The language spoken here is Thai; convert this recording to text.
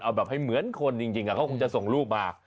เอาแบบให้เหมือนคนจริงเขาคงจะส่งรูปมา